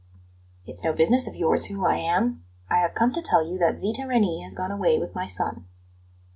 "It's no business of yours who I am. I have come to tell you that Zita Reni has gone away with my son."